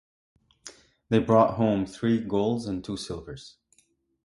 They brought home three golds and two silvers.